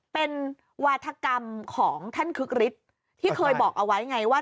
เป็นวาธกรรมของท่านคึกฤทธิ์ที่เคยบอกเอาไว้ไงว่า